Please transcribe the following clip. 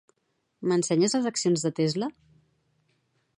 M'ensenyes les accions de Tesla?